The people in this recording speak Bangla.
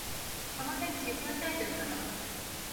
আমার জীবনটাই বেদনা।